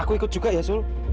aku ikut juga ya zul